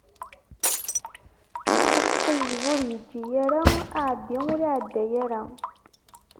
Asqizzeb, ur yeǧǧi ara; aεeddi, ur iεedda ara.